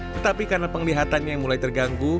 tetapi karena penglihatannya yang mulai terganggu